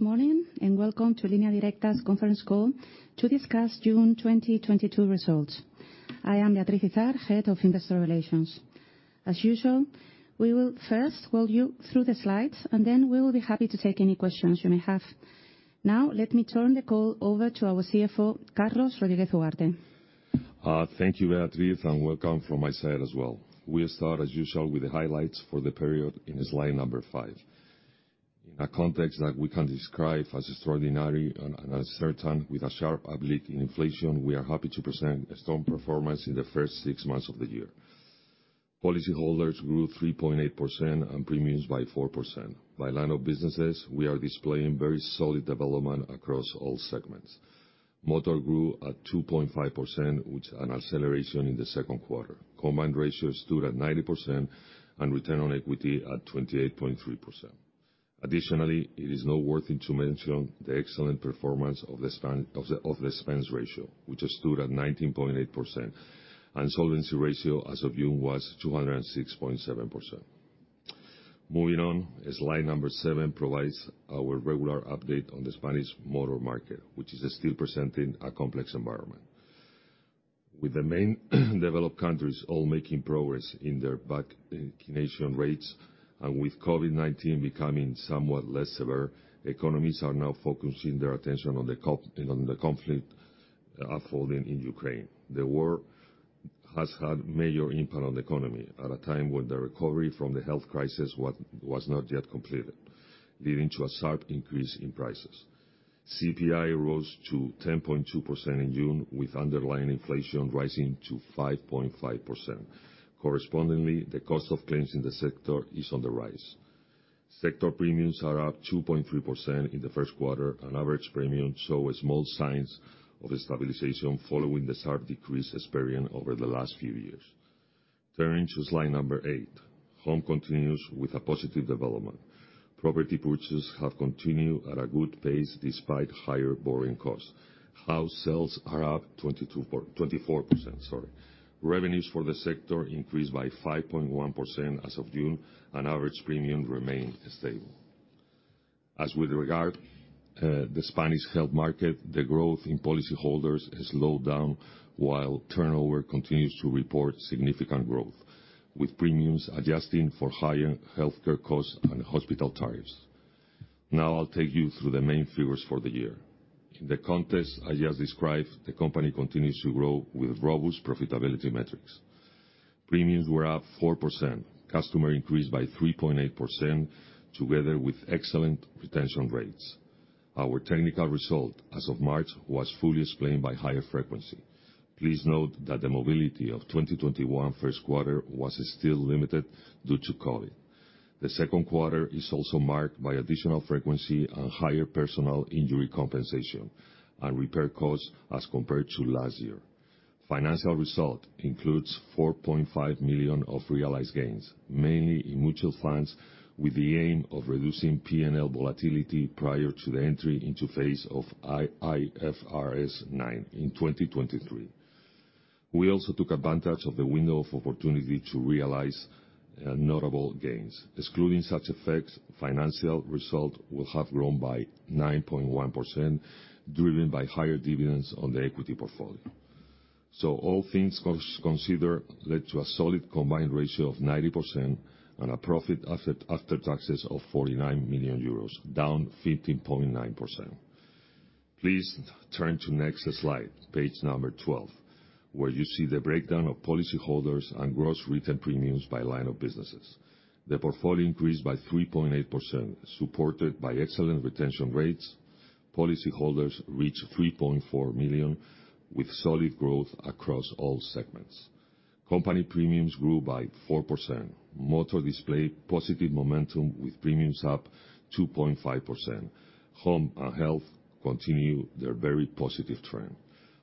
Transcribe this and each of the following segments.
Morning, welcome to Línea Directa's conference call to discuss June 2022 results. I am Beatriz Izard, Head of Investor Relations. As usual, we will first walk you through the slides, and then we will be happy to take any questions you may have. Now, let me turn the call over to our CFO, Carlos Rodríguez Ugarte. Thank you, Beatriz, and welcome from my side as well. We'll start, as usual, with the highlights for the period in slide number five. In a context that we can describe as extraordinary and uncertain, with a sharp uptick in inflation, we are happy to present a strong performance in the first six months of the year. Policyholders grew 3.8% and premiums by 4%. By line of businesses, we are displaying very solid development across all segments. Motor grew at 2.5%, with an acceleration in the Q2. Combined ratio stood at 90% and return on equity at 28.3%. Additionally, it is now worth it to mention the excellent performance of the expense ratio, which stood at 19.8%. Solvency ratio as of June was 206.7%. Moving on, slide 7 provides our regular update on the Spanish motor market, which is still presenting a complex environment. With the main developed countries all making progress in their vaccination rates, and with COVID-19 becoming somewhat less severe, economies are now focusing their attention on the conflict unfolding in Ukraine. The war has had major impact on the economy at a time when the recovery from the health crisis was not yet completed, leading to a sharp increase in prices. CPI rose to 10.2% in June, with underlying inflation rising to 5.5%. Correspondingly, the cost of claims in the sector is on the rise. Sector premiums are up 2.3% in the Q1, and average premiums show small signs of a stabilization following the sharp decrease experienced over the last few years. Turning to slide 8. Home continues with a positive development. Property purchases have continued at a good pace despite higher borrowing costs. House sales are up 24%, sorry. Revenues for the sector increased by 5.1% as of June, and average premium remained stable. As with regard, the Spanish health market, the growth in policyholders has slowed down while turnover continues to report significant growth, with premiums adjusting for higher healthcare costs and hospital tariffs. Now I'll take you through the main figures for the year. In the context I just described, the company continues to grow with robust profitability metrics. Premiums were up 4%. Customers increased by 3.8% together with excellent retention rates. Our technical result as of March was fully explained by higher frequency. Please note that the mobility of 2021 Q1 was still limited due to COVID. The Q2 is also marked by additional frequency and higher personal injury compensation and repair costs as compared to last year. Financial result includes 4.5 million of realized gains, mainly in mutual funds, with the aim of reducing P&L volatility prior to the entry into phase of IFRS 9 in 2023. We also took advantage of the window of opportunity to realize notable gains. Excluding such effects, financial result will have grown by 9.1%, driven by higher dividends on the equity portfolio. All things considered led to a solid combined ratio of 90% and a profit after taxes of 49 million euros, down 15.9%. Please turn to next slide, page number 12, where you see the breakdown of policyholders and gross written premiums by line of businesses. The portfolio increased by 3.8%, supported by excellent retention rates. Policyholders reached 3.4 million, with solid growth across all segments. Company premiums grew by 4%. Motor displayed positive momentum with premiums up 2.5%. Home and health continue their very positive trend.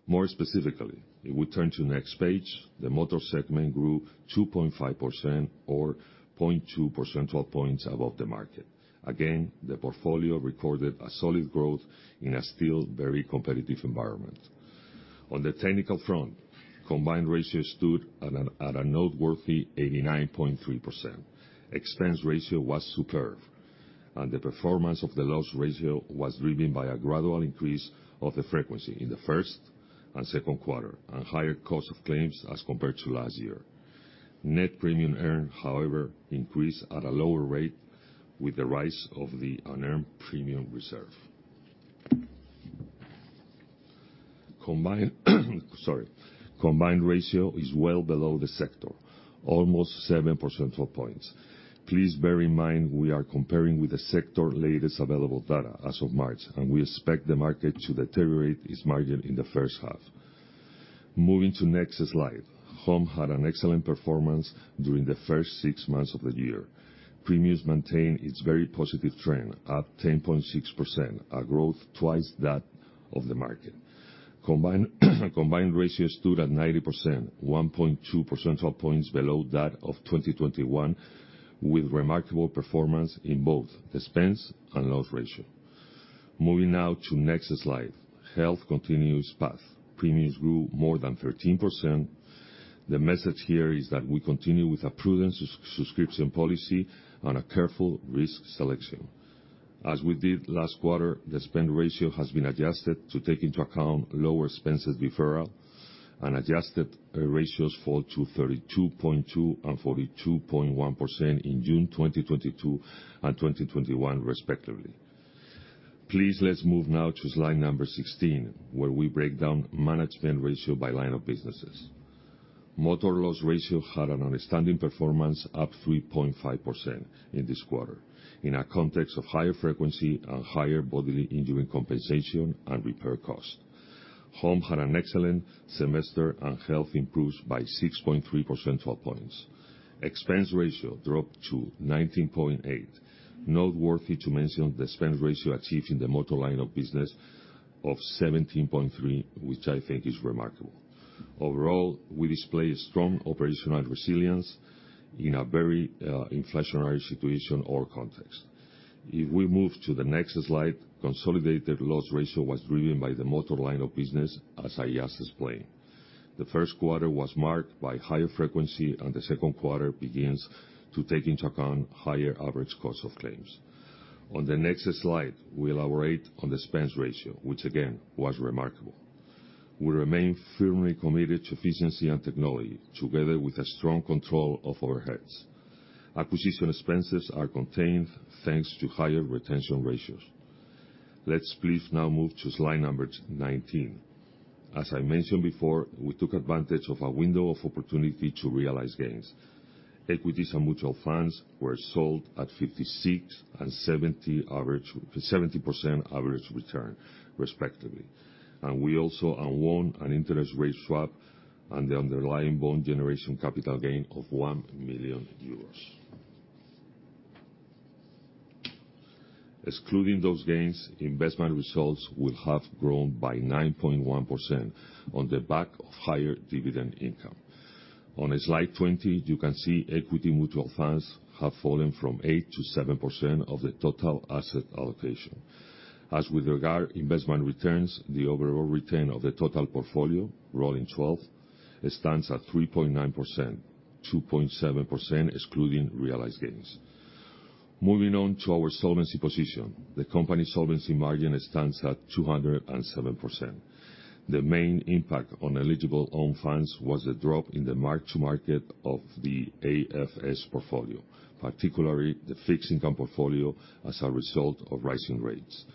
More specifically, if we turn to next page, the motor segment grew 2.5% or 0.2 percentage points above the market. Again, the portfolio recorded a solid growth in a still very competitive environment. On the technical front, combined ratio stood at a noteworthy 89.3%. Expense ratio was superb, and the performance of the loss ratio was driven by a gradual increase of the frequency in the first and Q2 and higher cost of claims as compared to last year. Net premium earned, however, increased at a lower rate with the rise of the unearned premium reserve. Combined ratio is well below the sector, almost 7 percentage points. Please bear in mind we are comparing with the sector latest available data as of March, and we expect the market to deteriorate its margin in the first half. Moving to next slide. Home had an excellent performance during the first six months of the year. Premiums maintained its very positive trend, up 10.6%, a growth twice that of the market. Combined ratio stood at 90%, 1.2 percentage points below that of 2021, with remarkable performance in both the expense and loss ratio. Moving now to next slide. Health continues path. Premiums grew more than 13%. The message here is that we continue with a prudent subscription policy and a careful risk selection. As we did last quarter, the expense ratio has been adjusted to take into account lower expenses referral and adjusted ratios fall to 32.2% and 42.1% in June 2022 and 2021 respectively. Please, let's move now to slide number 16, where we break down expense ratio by line of businesses. Motor loss ratio had an outstanding performance, up 3.5% in this quarter in a context of higher frequency and higher bodily injury compensation and repair cost. Home had an excellent semester, and health improves by 6.3% 12 points. Expense ratio dropped to 19.8%. Noteworthy to mention the expense ratio achieved in the motor line of business of 17.3%, which I think is remarkable. Overall, we display strong operational resilience in a very, inflationary situation or context. If we move to the next slide, consolidated loss ratio was driven by the motor line of business, as I just explained. The Q1 was marked by higher frequency, and the Q2 begins to take into account higher average cost of claims. On the next slide, we elaborate on the expense ratio, which again, was remarkable. We remain firmly committed to efficiency and technology together with a strong control of overheads. Acquisition expenses are contained thanks to higher retention ratios. Let's please now move to slide number 19. As I mentioned before, we took advantage of a window of opportunity to realize gains. Equities and mutual funds were sold at 56% and 70% average return, respectively. We also unwound an interest rate swap and the underlying bond generation capital gain of 1 million euros. Excluding those gains, investment results will have grown by 9.1% on the back of higher dividend income. On slide 20, you can see equity mutual funds have fallen from 8% to 7% of the total asset allocation. As with regard investment returns, the overall return of the total portfolio, rolling twelve, stands at 3.9%, 2.7% excluding realized gains. Moving on to our solvency position. The company solvency margin stands at 207%. The main impact on eligible own funds was the drop in the mark to market of the AFS portfolio, particularly the fixed income portfolio as a result of rising rates.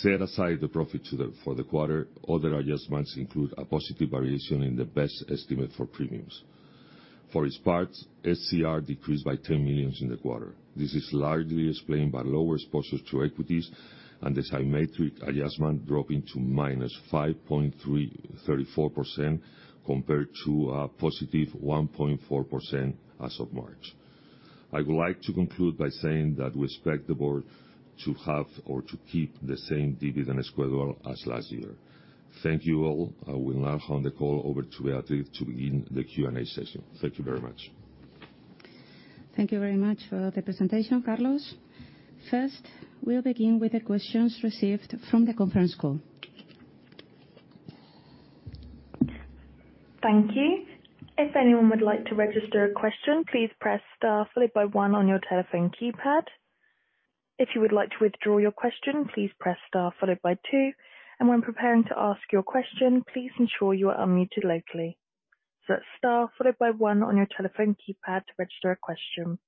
Set aside the profit for the quarter, other adjustments include a positive variation in the Best Estimate of Premiums. For its part, SCR decreased by 10 million in the quarter. This is largely explained by lower exposure to equities and the symmetric adjustment dropping to -5.34% compared to +1.4% as of March. I would like to conclude by saying that we expect the board to have or to keep the same dividend schedule as last year. Thank you all. I will now hand the call over to Beatriz to begin the Q&A session. Thank you very much. Thank you very much for the presentation, Carlos. First, we'll begin with the questions received from the conference call. Thank you. If anyone would like to register a question, please press star followed by one on your telephone keypad. If you would like to withdraw your question, please press star followed by two. When preparing to ask your question, please ensure you are unmuted locally. Star followed by one on your telephone keypad to register a question.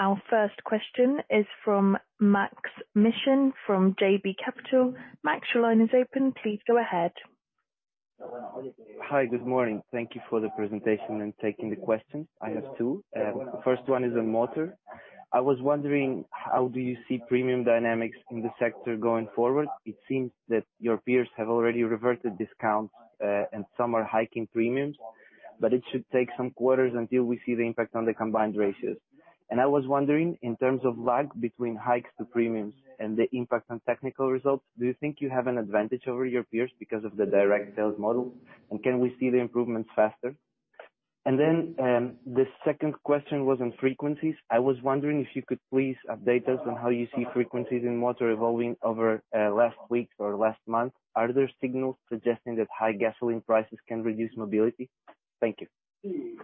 Our first question is from Maksym Mishyn, from JB Capital. Maksym, your line is open. Please go ahead. Hi, good morning. Thank you for the presentation and taking the questions. I have two. First one is on Motor. I was wondering, how do you see premium dynamics in the sector going forward? It seems that your peers have already reverted discounts, and some are hiking premiums, but it should take some quarters until we see the impact on the combined ratios. I was wondering, in terms of lag between hikes to premiums and the impact on technical results, do you think you have an advantage over your peers because of the direct sales model? Can we see the improvements faster? Then, the second question was on frequencies. I was wondering if you could please update us on how you see frequencies in Motor evolving over last week or last month. Are there signals suggesting that high gasoline prices can reduce mobility? Thank you.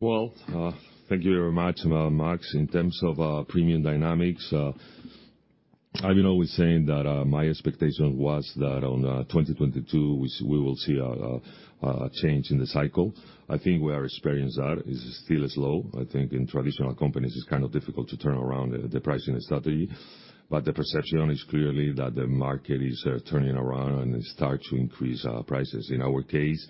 Well, thank you very much, Maks. In terms of premium dynamics, I've been always saying that my expectation was that on 2022, we will see a change in the cycle. I think we are experiencing that. It's still slow. I think in traditional companies, it's kind of difficult to turn around the pricing strategy. The perception is clearly that the market is turning around and starting to increase prices. In our case,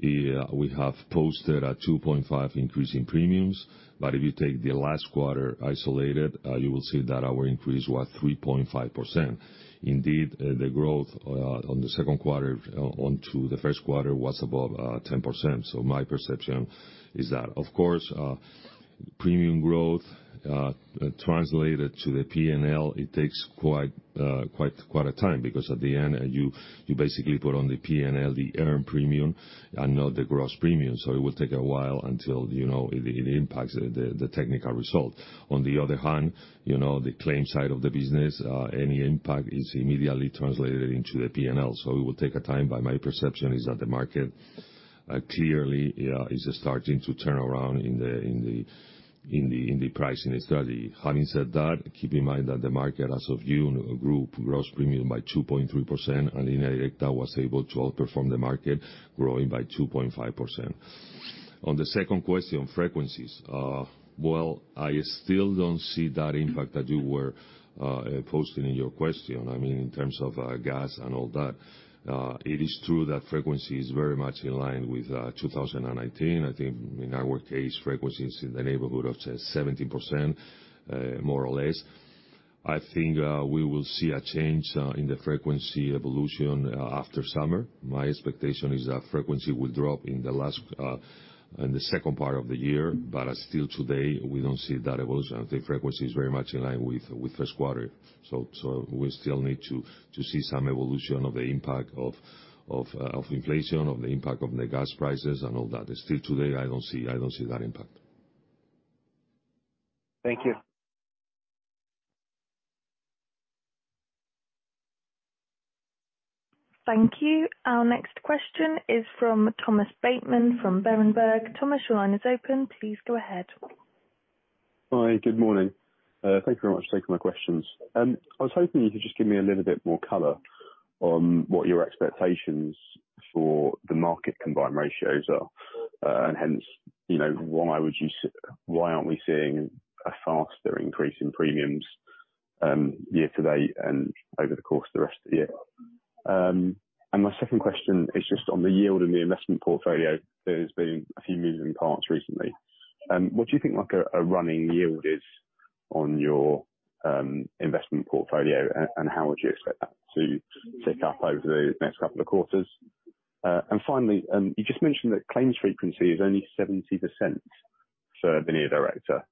we have posted a 2.5% increase in premiums. If you take the last quarter isolated, you will see that our increase was 3.5%. Indeed, the growth from the Q1 to the Q2 was above 10%. My perception is that. Of course, premium growth translated to the P&L, it takes quite a time because at the end, you basically put on the P&L the earned premium and not the gross premium, so it will take a while until, you know, it impacts the technical result. On the other hand, you know, the claim side of the business, any impact is immediately translated into the P&L. It will take a time, but my perception is that the market clearly, yeah, it's starting to turn around in the pricing study. Having said that, keep in mind that the market as of June grew gross premium by 2.3%, and Línea Directa was able to outperform the market, growing by 2.5%. On the second question, frequencies. Well, I still don't see that impact that you were posing in your question. I mean, in terms of, gas and all that. It is true that frequency is very much in line with 2019. I think in our case, frequency is in the neighborhood of say 70%, more or less. I think we will see a change in the frequency evolution after summer. My expectation is that frequency will drop in the second part of the year, but as still today, we don't see that evolution. I think frequency is very much in line with Q1. We still need to see some evolution of the impact of inflation, of the impact of the gas prices and all that. Still today, I don't see that impact. Thank you. Thank you. Our next question is from Thomas Bateman from Berenberg. Thomas, your line is open. Please go ahead. Hi, good morning. Thank you very much. Thanks for my questions. I was hoping you could just give me a little bit more color on what your expectations for the market combined ratios are. Hence, you know, why aren't we seeing a faster increase in premiums year to date and over the course of the rest of the year? My second question is just on the yield in the investment portfolio. There's been a few moving parts recently. What do you think like a running yield is on your investment portfolio, and how would you expect that to tick up over the next couple of quarters? Finally, you just mentioned that claims frequency is only 70% for Línea Directa.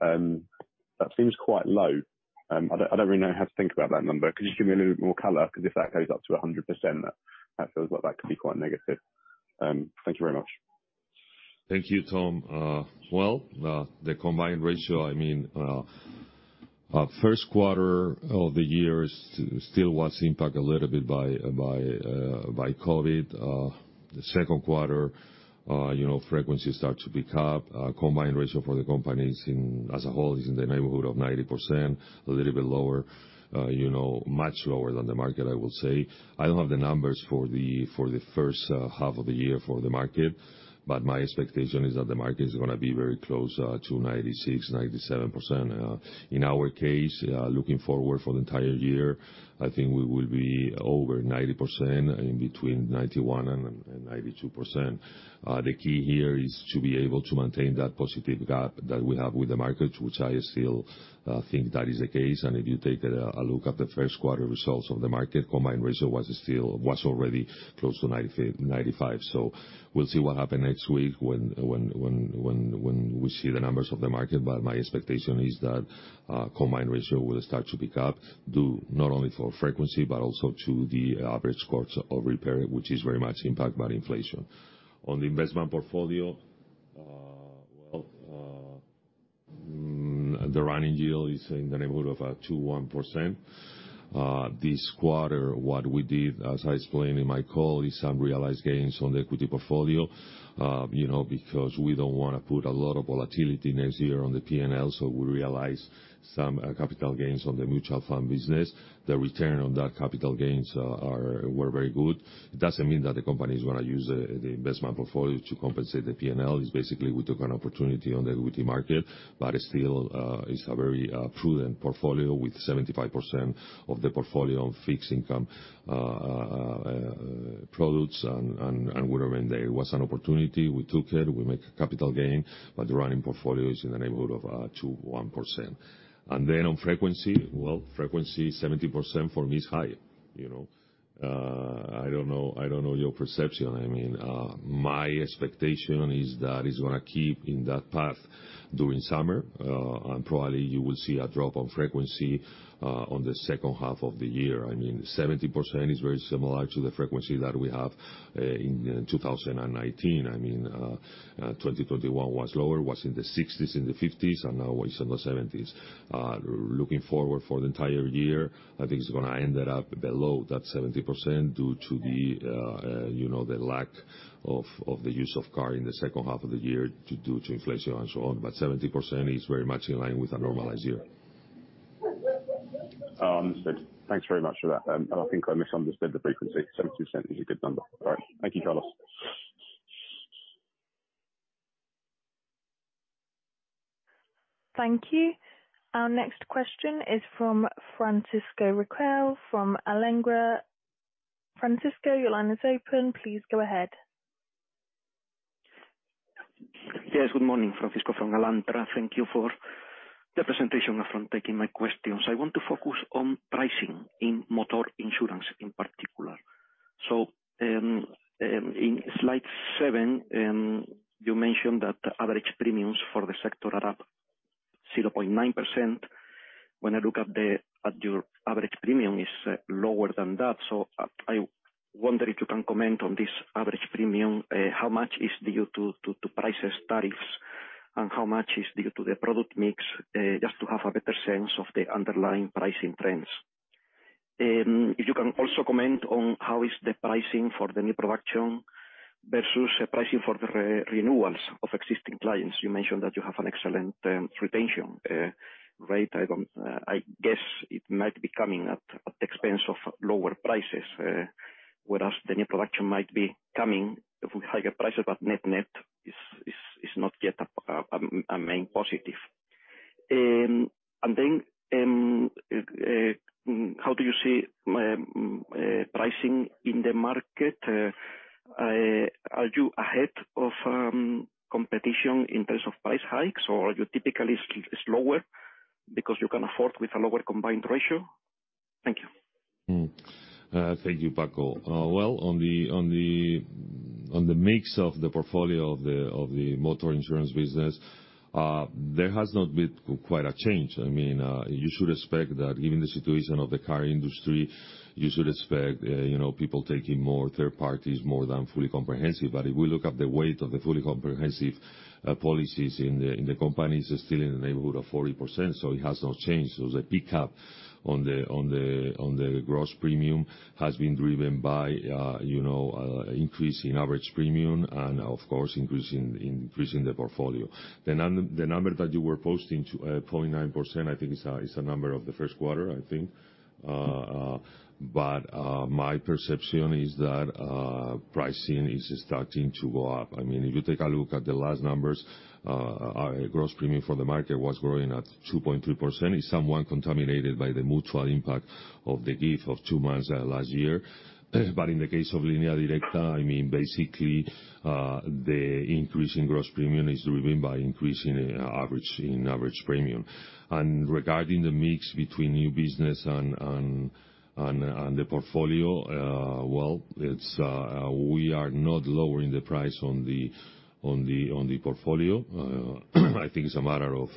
That seems quite low. I don't really know how to think about that number. Could you give me a little bit more color? 'Cause if that goes up to 100%, that feels like that could be quite negative. Thank you very much. Thank you, Tom. Well, the combined ratio, I mean, Q1 of the year still was impacted a little bit by COVID. The Q2, you know, frequency started to pick up. Combined ratio for the company as a whole is in the neighborhood of 90%, a little bit lower. You know, much lower than the market, I will say. I don't have the numbers for the first half of the year for the market, but my expectation is that the market is gonna be very close to 96%-97%. In our case, looking forward to the entire year, I think we will be over 90% between 91% and 92%. The key here is to be able to maintain that positive gap that we have with the market, which I still think that is the case. If you take a look at the Q1 results of the market, combined ratio was already close to 95%. We'll see what happens next week when we see the numbers of the market. My expectation is that combined ratio will start to pick up due not only for frequency but also to the average cost of repair, which is very much impacted by inflation. On the investment portfolio, the running yield is in the neighborhood of 2.1%. This quarter, what we did, as I explained in my call, is some realized gains on the equity portfolio. You know, because we don't wanna put a lot of volatility next year on the P&L, so we realize some capital gains on the mutual fund business. The return on that capital gains were very good. It doesn't mean that the company is gonna use the investment portfolio to compensate the P&L. It's basically we took an opportunity on the equity market, but still, it's a very prudent portfolio with 75% of the portfolio on fixed income products. And we know when there was an opportunity, we took it, we make a capital gain, but the running portfolio is in the neighborhood of 21%. On frequency. Well, frequency 70% for me is high. You know, I don't know your perception. I mean, my expectation is that it's gonna keep in that path during summer, and probably you will see a drop in frequency in the second half of the year. I mean, 70% is very similar to the frequency that we have in 2019. I mean, 2021 was lower, in the sixties, in the fifties, and now is in the seventies. Looking forward to the entire year, I think it's gonna end up below that 70% due to you know, the lack of the use of car in the second half of the year due to inflation and so on. 70% is very much in line with a normalized year. Understood. Thanks very much for that. I think I misunderstood the frequency. 70% is a good number. All right. Thank you, Carlos. Thank you. Our next question is from Francisco Riquel, from Alantra. Francisco, your line is open. Please go ahead. Yes, good morning. Francisco Riquel from Alantra. Thank you for the presentation and for taking my questions. I want to focus on pricing in motor insurance in particular. In slide 7, you mentioned that average premiums for the sector are up 0.9%. When I look at your average premium is lower than that. I wonder if you can comment on this average premium. How much is due to prices, tariffs, and how much is due to the product mix, just to have a better sense of the underlying pricing trends. If you can also comment on how is the pricing for the new production versus pricing for the renewals of existing clients. You mentioned that you have an excellent retention rate. I don't. I guess it might be coming at the expense of lower prices. Whereas the new production might be coming with higher prices, but net-net is not yet a main positive. How do you see pricing in the market? Are you ahead of competition in terms of price hikes, or are you typically slower because you can afford with a lower combined ratio? Thank you. Thank you, Paco. On the mix of the portfolio of the motor insurance business, there has not been quite a change. I mean, you should expect that given the situation of the car industry, you know, people taking more third parties more than fully comprehensive. But if we look at the weight of the fully comprehensive policies in the company, it's still in the neighborhood of 40%, so it has not changed. The pickup on the gross premium has been driven by, you know, increase in average premium and of course, increasing the portfolio. The number that you were posting, point nine percent, I think is a number of the Q1, I think. My perception is that pricing is starting to go up. I mean, if you take a look at the last numbers, our gross premium for the market was growing at 2.3%. It's somewhat contaminated by the material impact of the shift of two months last year. In the case of Línea Directa, I mean, basically, the increase in gross premium is driven by increase in average premium. Regarding the mix between new business and the portfolio, well, we are not lowering the price on the portfolio. I think it's a matter of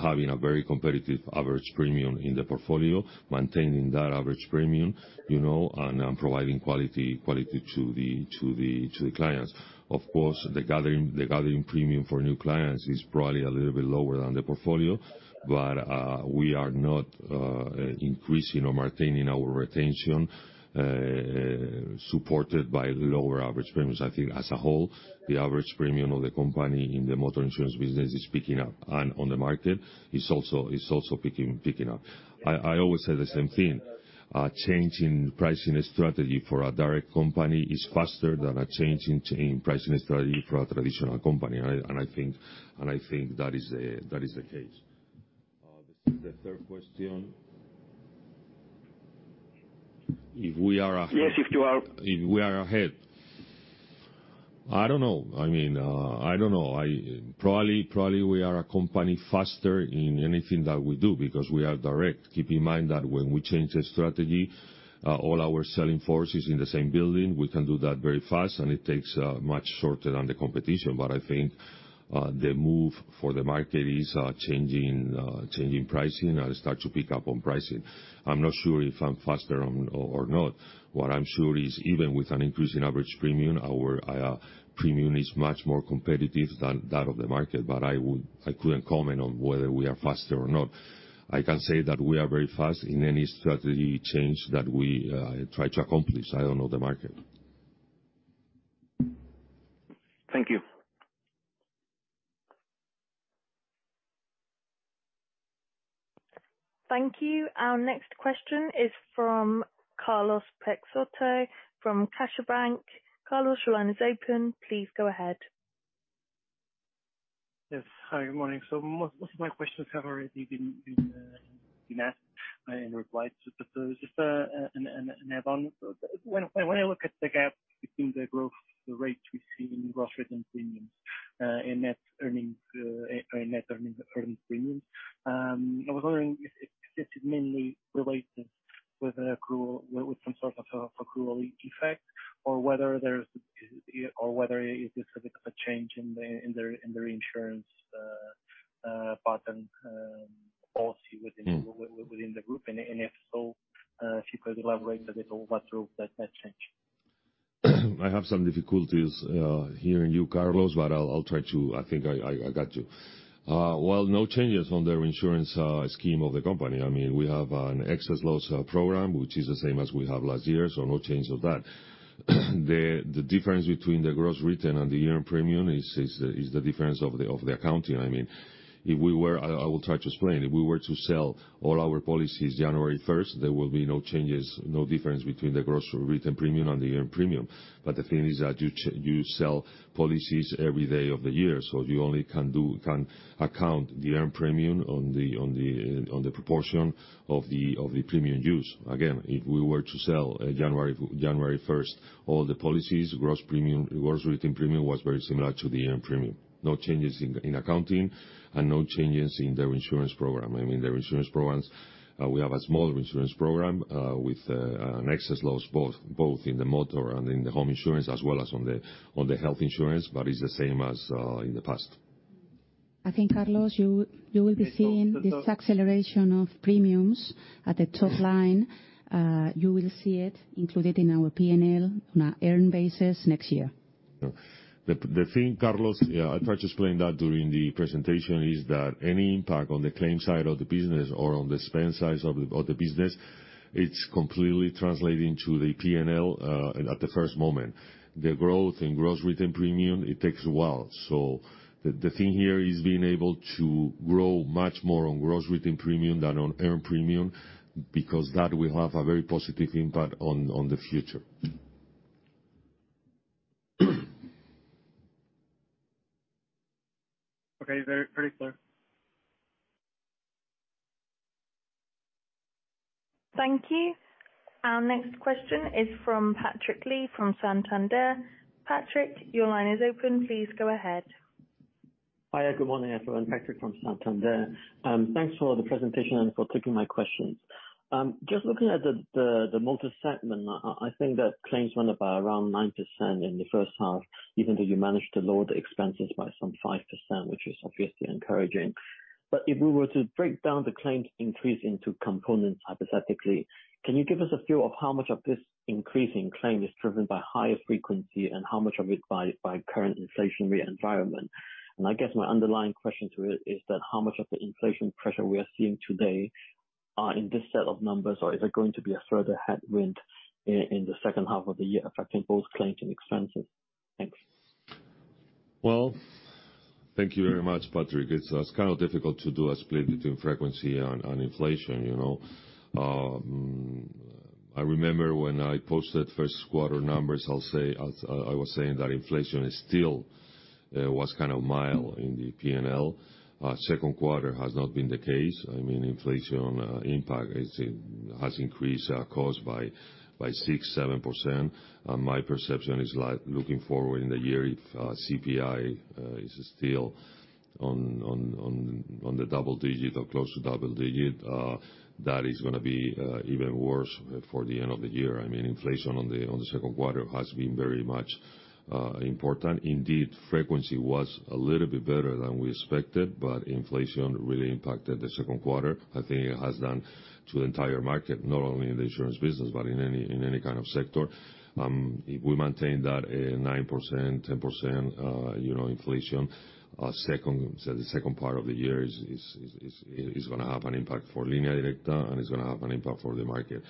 having a very competitive average premium in the portfolio, maintaining that average premium, you know, and providing quality to the clients. Of course, the gathering premium for new clients is probably a little bit lower than the portfolio. We are not increasing or maintaining our retention supported by lower average premiums. I think as a whole, the average premium of the company in the motor insurance business is picking up, and on the market is also picking up. I always say the same thing. Changing pricing strategy for a direct company is faster than a change in pricing strategy for a traditional company. I think that is the case. The third question. If we are ahead- Yes, if you are. If we are ahead. I don't know. I mean, I don't know. Probably we are a company faster in anything that we do because we are direct. Keep in mind that when we change a strategy, all our sales force is in the same building. We can do that very fast, and it takes much shorter than the competition. I think the move for the market is changing pricing and start to pick up on pricing. I'm not sure if I'm faster on or not. What I'm sure is even with an increase in average premium, our premium is much more competitive than that of the market. I couldn't comment on whether we are faster or not. I can say that we are very fast in any strategy change that we try to accomplish. I don't know the market. Thank you. Thank you. Our next question is from Carlos Peixoto from CaixaBank. Carlos, your line is open. Please go ahead. Yes. Hi, good morning. Most of my questions have already been asked and replied. Just an add on. When I look at the gap between the growth rate we've seen in gross written premiums and net earned premiums, I was wondering if this is mainly related with an accrual effect or whether it is because of a change in the reinsurance policy within- Within the group. If so, if you could elaborate a bit on what drove that change? I have some difficulties hearing you, Carlos, but I'll try to. I think I got you. Well, no changes on the reinsurance scheme of the company. I mean, we have an excess loss program, which is the same as we have last year, so no change of that. The difference between the gross written and the earned premium is the difference of the accounting. I mean, if we were to sell all our policies January first, there will be no changes, no difference between the gross written premium and the earned premium. The thing is that you sell policies every day of the year, so you only can account the earned premium on the proportion of the premium used. Again, if we were to sell January first all the policies, gross premium, gross written premium was very similar to the earned premium. No changes in accounting and no changes in the reinsurance program. I mean, the reinsurance programs, we have a small reinsurance program with an excess of loss both in the Motor and in the Home insurance, as well as on the Health insurance, but it's the same as in the past. I think, Carlos, you will be seeing this acceleration of premiums at the top line. You will see it included in our P&L on an earned basis next year. No. The thing, Carlos, yeah, I tried to explain that during the presentation is that any impact on the claims side of the business or on the spend side of the business, it's completely translating to the P&L at the first moment. The growth in gross written premium, it takes a while. The thing here is being able to grow much more on gross written premium than on earned premium, because that will have a very positive impact on the future. Okay. Very, very clear. Thank you. Our next question is from Patrick Lee from Santander. Patrick, your line is open. Please go ahead. Hiya. Good morning, everyone. Patrick Lee from Santander. Thanks for the presentation and for taking my questions. Just looking at the multi-segment, I think that claims went up by around 9% in the first half, even though you managed to lower the expenses by some 5%, which is obviously encouraging. If we were to break down the claims increase into components hypothetically, can you give us a feel of how much of this increase in claim is driven by higher frequency and how much of it by current inflationary environment? I guess my underlying question to it is that how much of the inflation pressure we are seeing today are in this set of numbers or is it going to be a further headwind in the second half of the year affecting both claims and expenses? Thanks. Well, thank you very much, Patrick. It's kind of difficult to do a split between frequency and inflation, you know? I remember when I posted Q1 numbers, I'll say, I was saying that inflation was kind of mild in the P&L. Q2 has not been the case. I mean, inflation impact has increased our cost by 6%-7%. My perception is looking forward in the year if CPI is still on in double digits or close to double digits, that is gonna be even worse for the end-of-the-year. I mean, inflation on the Q2 has been very much important. Indeed, frequency was a little bit better than we expected, but inflation really impacted the Q2. I think it has done to the entire market, not only in the insurance business, but in any kind of sector. If we maintain that 9%, 10% you know inflation, so the second part of the year is gonna have an impact for Línea Directa, and it's gonna have an impact for the market.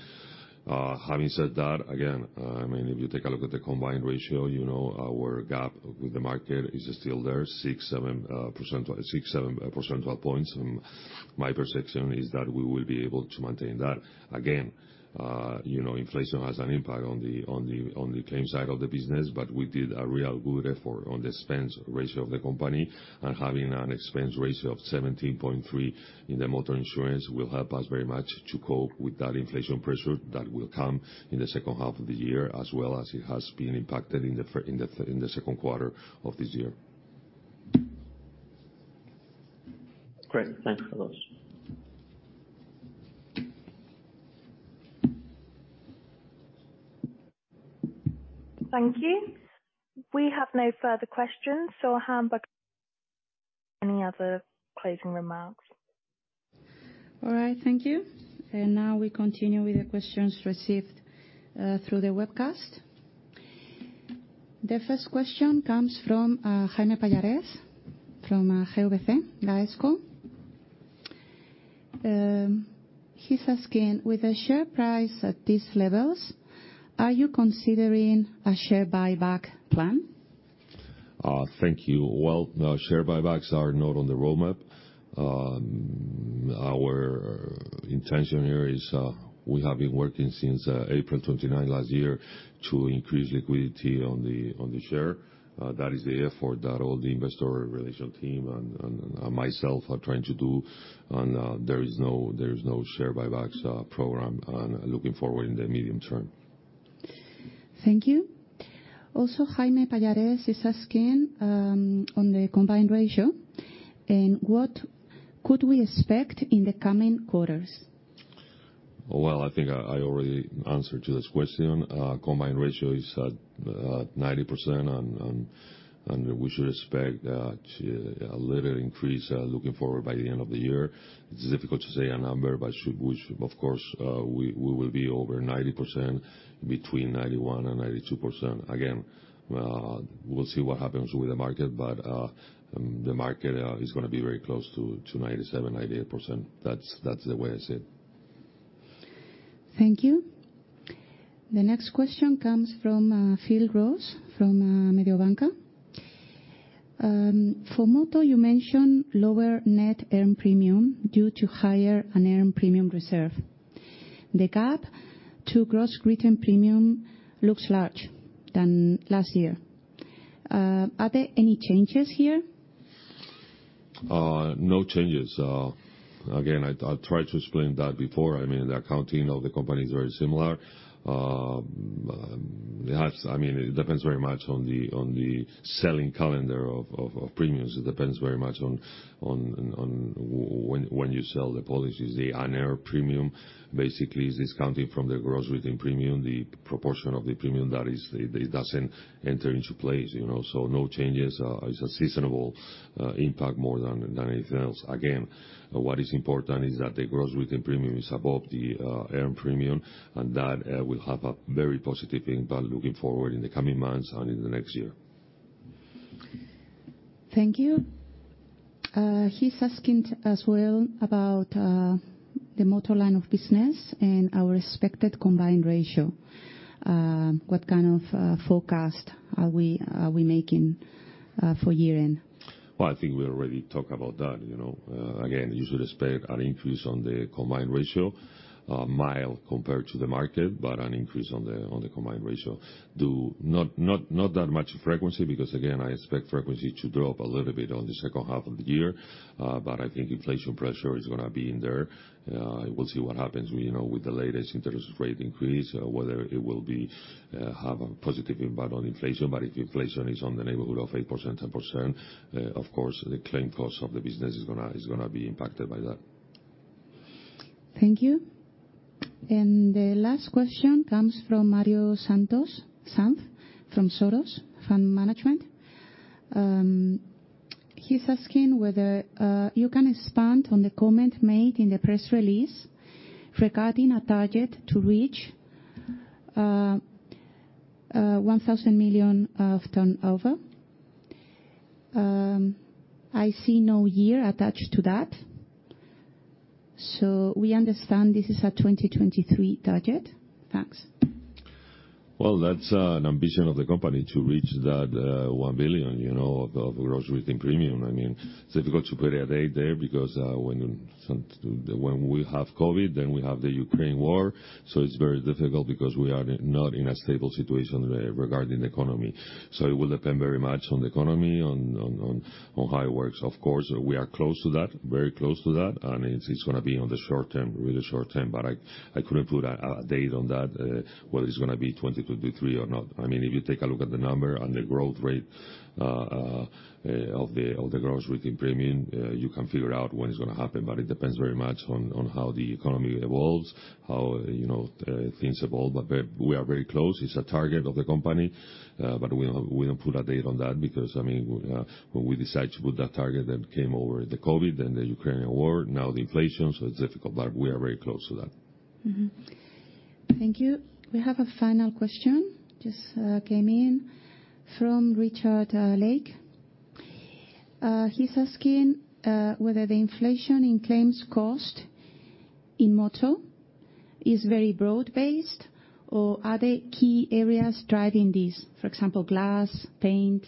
Having said that, again, I mean, if you take a look at the combined ratio, you know our gap with the market is still there, 6, 7 percent. Six, seven percentage points. My perception is that we will be able to maintain that. Again, you know, inflation has an impact on the claims side of the business, but we did a real good effort on the expense ratio of the company. Having an expense ratio of 17.3% in the Motor insurance will help us very much to cope with that inflation pressure that will come in the second half of the year, as well as it has been impacted in the Q2 of this year. Great. Thanks, Carlos. Thank you. We have no further questions, so Beatriz Izard, any other closing remarks? All right. Thank you. Now we continue with the questions received through the webcast. The first question comes from Jaime Pallarés from GVC Gaesco. He's asking, with the share price at these levels, are you considering a share buyback plan? Thank you. Well, no, share buybacks are not on the roadmap. Our intention here is, we have been working since April 29 last year to increase liquidity on the share. That is the effort that all the Investor Relations team and myself are trying to do and, there is no share buybacks program on looking forward in the medium term. Thank you. Also, Jaime Pallarés is asking on the combined ratio, and what could we expect in the coming quarters? Well, I think I already answered to this question. Combined ratio is at 90% and we should expect a little increase looking forward by the end-of-the-year. It's difficult to say a number, but. Of course, we will be over 90%, between 91% and 92%. Again, we'll see what happens with the market, but the market is gonna be very close to 97%-98%. That's the way I see it. Thank you. The next question comes from Phil Gross from Mediobanca. For Motor, you mentioned lower net earned premium due to higher unearned premium reserve. The gap to gross written premium looks larger than last year. Are there any changes here? No changes. Again, I tried to explain that before. I mean, the accounting of the company is very similar. It depends very much on the selling calendar of premiums. It depends very much on when you sell the policies. The unearned premium basically is discounted from the gross written premium, the proportion of the premium that doesn't enter into P&L, you know. No changes. It's a seasonal impact more than anything else. Again, what is important is that the gross written premium is above the earned premium, and that will have a very positive impact looking forward in the coming months and in the next year. Thank you. He's asking as well about the Motor line of business and our expected combined ratio. What kind of forecast are we making for year-end? Well, I think we already talk about that, you know. Again, you should expect an increase on the combined ratio, mild compared to the market, but an increase on the combined ratio. Not that much frequency because, again, I expect frequency to drop a little bit on the second half of the year. I think inflation pressure is gonna be in there. We'll see what happens, you know, with the latest interest rate increase, whether it will have a positive impact on inflation. If inflation is in the neighborhood of 8%, 10%, of course, the claim cost of the business is gonna be impacted by that. Thank you. The last question comes from Mario Santos from Soros Fund Management. He's asking whether you can expand on the comment made in the press release regarding a target to reach 1,000 million of turnover. I see no year attached to that, so we understand this is a 2023 target. Thanks. Well, that's an ambition of the company to reach that 1 billion, you know, of gross written premium. I mean, it's difficult to put a date there because when we have COVID, then we have the Ukraine war. It's very difficult because we are not in a stable situation regarding the economy. It will depend very much on the economy, on how it works. Of course, we are close to that, very close to that, and it's gonna be on the short term, really short term. I couldn't put a date on that, whether it's gonna be 2023 or not. I mean, if you take a look at the number and the growth rate of the gross written premium, you can figure out when it's gonna happen. It depends very much on how the economy evolves, how, you know, things evolve. We are very close. It's a target of the company, but we don't put a date on that because, I mean, when we decide to put that target, then came COVID, then the Ukrainian war, now the inflation, it's difficult. We are very close to that. Thank you. We have a final question, just came in from Richard Lake. He's asking whether the inflation in claims cost in motor is very broad-based or are there key areas driving this, for example, glass, paint?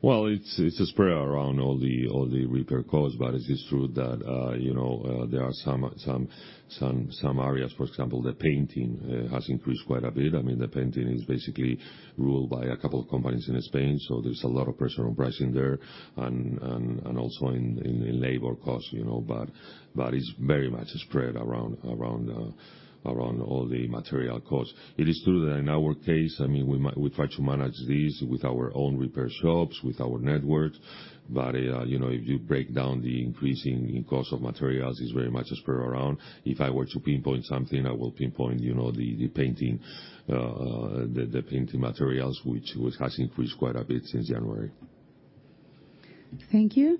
Well, it's spread around all the repair costs, but it is true that, you know, there are some areas, for example, the painting, has increased quite a bit. I mean, the painting is basically ruled by a couple of companies in Spain, so there's a lot of personal pricing there and also in labor costs, you know. It's very much spread around all the material costs. It is true that in our case, I mean, we try to manage this with our own repair shops, with our network. You know, if you break down the increasing in cost of materials, it's very much spread around. If I were to pinpoint something, I will pinpoint, you know, the painting materials which has increased quite a bit since January. Thank you.